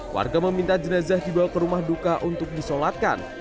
warga meminta jenazah dibawa ke rumah duka untuk disolatkan